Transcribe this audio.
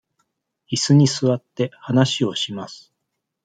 いすに座って、話をします。